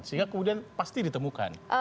sehingga kemudian pasti ditemukan